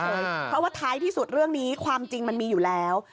เพราะว่าท้ายที่สุดเรื่องนี้ความจริงมันมีอยู่แล้ว